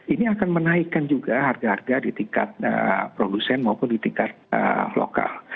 ini akan menaikkan juga harga harga di tingkat produsen maupun di tingkat lokal